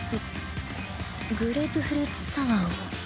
ググレープフルーツサワーを。